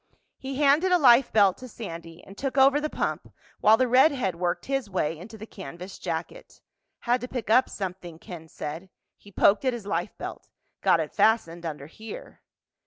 He handed a life belt to Sandy and took over the pump while the redhead worked his way into the canvas jacket. "Had to pick up something," Ken said. He poked at his life belt. "Got it fastened under here."